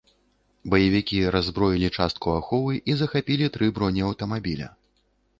Баевікі раззброілі частку аховы і захапілі тры бронеаўтамабіля.